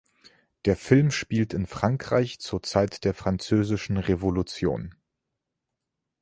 Der Film spielt in Frankreich zur Zeit der Französischen Revolution.